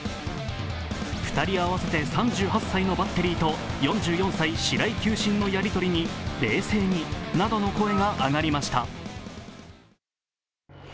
２人合わせて３８歳のバッテリーと４４歳・白井球審のやり取りに「冷静に」などの声が上がりました。